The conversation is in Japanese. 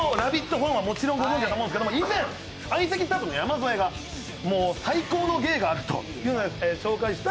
ファンはもちろんご存じやと思うんですけど、以前、相席スタートの山添が最高の芸があると紹介した